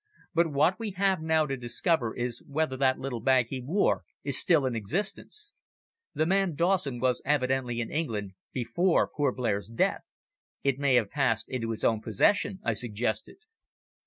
"But what we have now to discover is whether that little bag he wore is still in existence." "The man Dawson was evidently in England before poor Blair's death. It may have passed into his possession," I suggested.